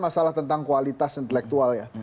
masalah tentang kualitas intelektual ya